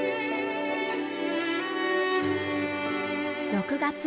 ６月。